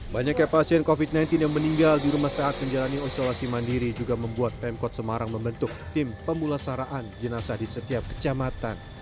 banyaknya pasien covid sembilan belas yang meninggal di rumah saat menjalani isolasi mandiri juga membuat pemkot semarang membentuk tim pemulasaraan jenazah di setiap kecamatan